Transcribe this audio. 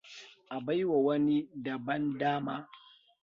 A baiwa wani daban dama.